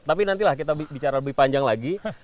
tapi nanti lah kita bicara lebih panjang lagi